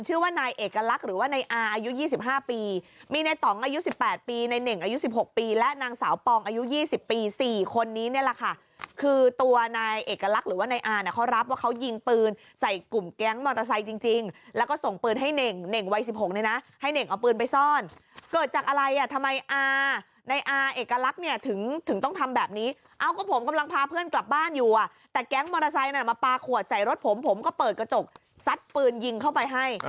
เชื่อว่าไนอกรลักษ์หรือว่าในอาอายุ๒๕ปีมีในตั๋งอายุ๑๘ปีในเน็กอายุ๑๖ปีและนังสาวปองอายุ๒๐ปีสี่คนนี้นี่แหละค่ะคือตัวไนเสกรักหรือว่าไนอานเขารับว่าเขายิงปืนใส่กลุ่มแก๊งมอเตอร์ไซส์จริงแล้วก็ส่งปืนให้เน็กหนิเป้าศพงดนะให้เน็กเอาพื้นไปซ่อนเกิด